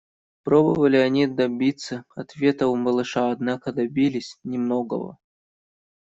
Пробовали они добиться ответа у малыша, однако добились немногого.